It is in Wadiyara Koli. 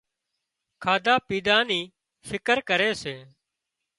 کاڌا پيڌا ني فڪر ڪري سي